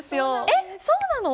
えっそうなの！？